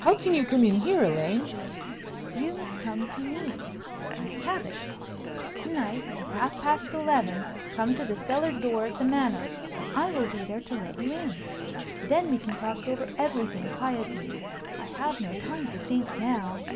"How can you come in here, Elaine?" "You must come to me. I have it! To night, at half past eleven, come to the cellar door at the Manor, and I will be there to let you in. Then we can talk over everything quietly. I have no time to think now."